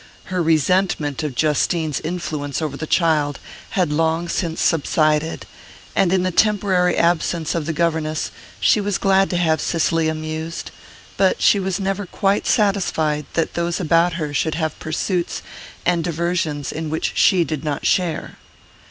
Her resentment of Justine's influence over the child had long since subsided, and in the temporary absence of the governess she was glad to have Cicely amused; but she was never quite satisfied that those about her should have pursuits and diversions in which she did not share.